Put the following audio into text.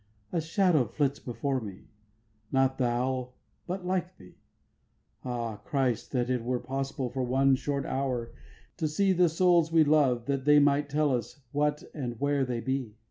3. A shadow flits before me, Not thou, but like to thee; Ah Christ, that it were possible For one short hour to see The souls we loved, that they might tell us What and where they be.